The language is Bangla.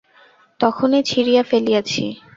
তখনই ছিঁড়িয়া ফেলিয়াছি।